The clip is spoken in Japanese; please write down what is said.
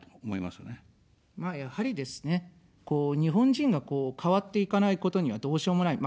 まあ、やはりですね、日本人が変わっていかないことにはどうしようもない。